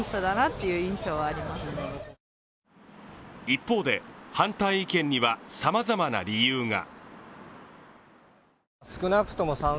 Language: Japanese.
一方で、反対意見には様々な理由が。